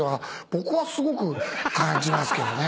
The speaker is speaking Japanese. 僕はすごく感じますけどね。